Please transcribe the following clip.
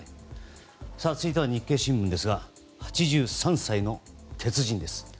続いては日経新聞ですが８３歳の鉄人です。